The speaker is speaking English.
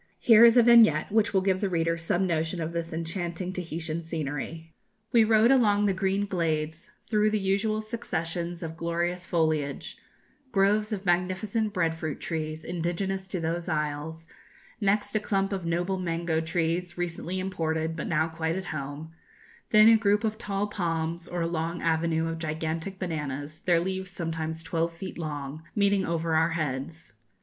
Here is a vignette, which will give the reader some notion of this enchanting Tahitian scenery: "We rode along the green glades, through the usual successions of glorious foliage; groves of magnificent bread fruit trees, indigenous to those isles; next a clump of noble mango trees, recently imported, but now quite at home; then a group of tall palms, or a long avenue of gigantic bananas, their leaves sometimes twelve feet long, meeting over our heads.